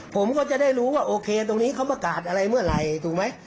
ผมก็จะได้รู้ว่าโอเคตรงนี้เขาประกาศอะไรเมื่อไหร่ถูกไหม